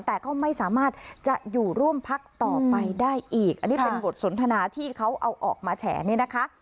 แต่ก็ไม่สามารถจะอยู่ร่วมพักต่อไปได้อีกอันนี้เป็นบทสนทนาที่เขาเอาออกมาแฉนี่นะคะ